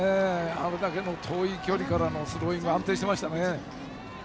あれだけの遠い距離からのスローイングも安定していました。